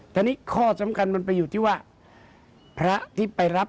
แต่นี่ข้อสำคัญมันไปอยู่ที่ว่าพระที่ไปรับ